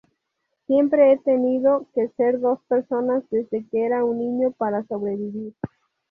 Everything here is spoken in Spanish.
Siempre he tenido que ser dos personas desde que era un niño, para sobrevivir.